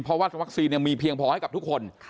เพราะว่าวัคซีนมีเพียงพอให้กับทุกคน